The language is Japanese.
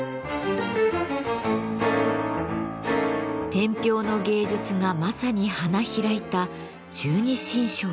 天平の芸術がまさに花開いた十二神将です。